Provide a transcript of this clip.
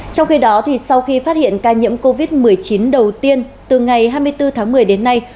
trong khi đó sau khi phát hiện ca nhiễm covid một mươi chín đầu tiên từ ngày hai mươi bốn tháng một mươi đến nay